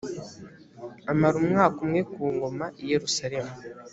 amara umwaka umwe ku ngoma i yerusalemu